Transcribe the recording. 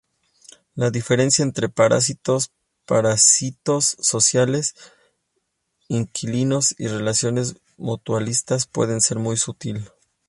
La diferencia entre parásitos, parásitos sociales, inquilinos y relaciones mutualistas puede ser muy sutil.